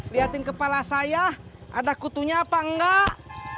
lihatin kepala saya ada kutunya apa enggak